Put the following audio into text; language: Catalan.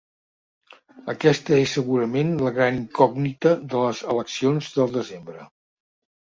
Aquesta és segurament la gran incògnita de les eleccions del desembre.